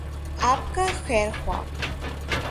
آپ کا خیرخواہ۔